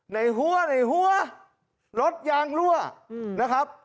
ในหัวรถยางรั่วนะครับ